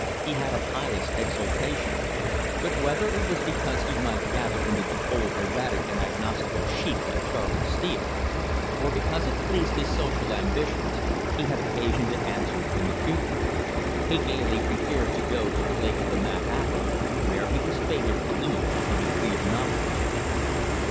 He had a pious exaltation, but whether it was because he might gather into the fold erratic and agnostical sheep like Charley Steele, or because it pleased his social ambitions, he had occasion to answer in the future. He gaily prepared to go to the Lake of the Mad Apple, where he was fated to eat of the tree of knowledge.